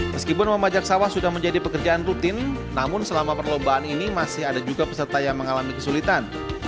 meskipun memajak sawah sudah menjadi pekerjaan rutin namun selama perlombaan ini masih ada juga peserta yang mengalami kesulitan